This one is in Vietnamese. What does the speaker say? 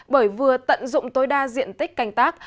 bởi vừa tận dụng tối đa diện tích canh tác